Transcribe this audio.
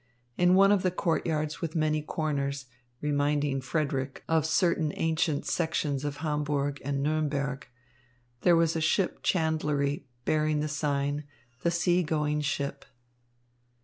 In one of the courtyards with many corners, reminding Frederick of certain ancient sections of Hamburg and Nuremberg, was a ship chandlery bearing the sign, "The Seagoing Ship."